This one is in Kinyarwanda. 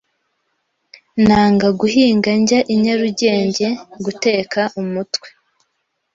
Nanga guhinga njya i Nyarugenge guteka umutwe